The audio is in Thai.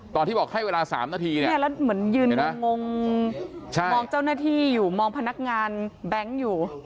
ตอนที่บอกให้เวลา๓นาทีเนี่ยแล้วเหมือนยืนงงมองเจ้าหน้าที่อยู่มองพนักงานแบงค์อยู่